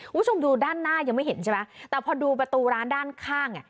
คุณผู้ชมดูด้านหน้ายังไม่เห็นใช่ไหมแต่พอดูประตูร้านด้านข้างอ่ะ